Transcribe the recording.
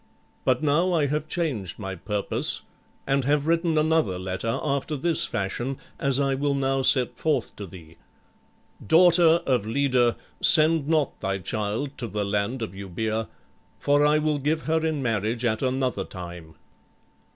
But now I have changed my purpose and have written another letter after this fashion, as I will now set forth to thee: '_Daughter of Leda, send not thy child to the land of Eubœa, for I will give her in marriage at another time.